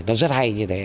nó rất hay như thế